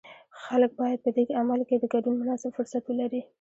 خلک باید په دې عمل کې د ګډون مناسب فرصت ولري.